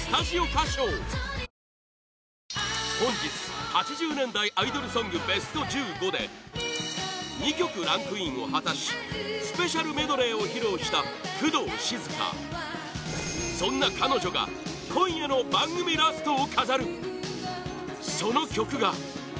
９組出演本日、８０年代アイドルソング ＢＥＳＴ１５ で２曲ランクインを果たし ＳＰ メドレーを披露した工藤静香そんな彼女が今夜の番組ラストを飾るその曲が